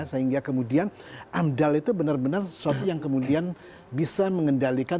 sehingga kemudian amdal itu benar benar sesuatu yang kemudian bisa mengendalikan